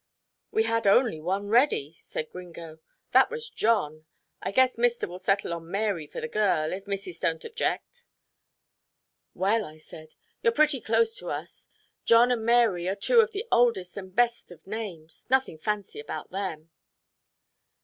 "We had only one ready," said Gringo, "that was John. I guess mister will settle on Mary for the girl, if missis don't object." "Well," I said, "you're pretty close to us. John and Mary are two of the oldest and best of names. Nothing fancy about them."